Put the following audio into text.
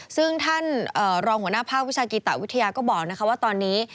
ซึ่งท่านรองหัวหน้าภาควิชากีตะวิทยาก็บอกว่าตอนนี้